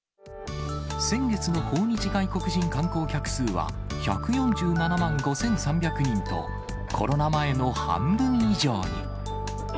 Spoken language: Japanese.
先月の訪日外国人観光客数は１４７万５３００人と、コロナ前の半分以上に。